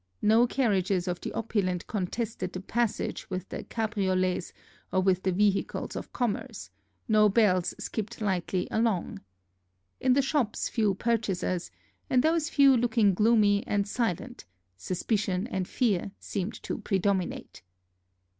No carriages of the opulent con tested the passage with the cabriolets or with the vehi cles of commerce, no belles skipped hghtly along. In the shops few purchasers, and those few looking gloomy and silent; suspicion and fear seemed to predominate.